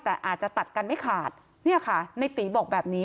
แต่อาจจะตัดกันไม่ขาดเนี่ยค่ะในตีบอกแบบนี้